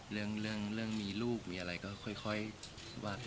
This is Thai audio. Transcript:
เรื่องมีลูกมีอะไรก็ค่อยสบายกันไป